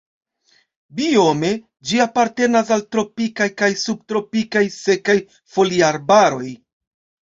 Biome ĝi apartenas al tropikaj kaj subtropikaj sekaj foliarbaroj.